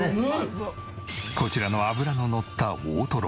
こちらの脂ののった大トロ。